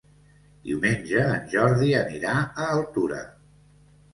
Diumenge en Jordi anirà a Altura.